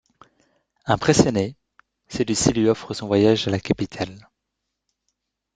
Impressionné, celui-ci lui offre son voyage à la capitale.